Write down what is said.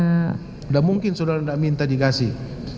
enggak mungkin sudara enggak minta dikasih